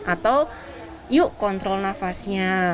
atau yuk kontrol nafasnya